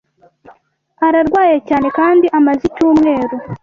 Ararwaye cyane kandi amaze icyumweru.